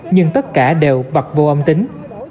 nhưng tất cả đều bật vô âm tính